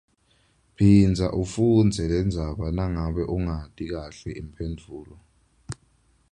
Phindza ufundze lendzaba nangabe ungayati kahle imphendvulo.